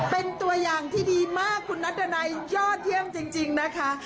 เป็นตัวอย่างที่ดีมากคุณนัดดันัยยอดเยี่ยมจริงนะคะ